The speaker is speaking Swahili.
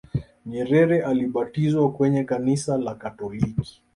nyerere alibatizwa kwenye kanisa la katoliki